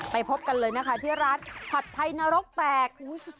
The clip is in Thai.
พบกันเลยนะคะที่ร้านผัดไทยนรกแปลก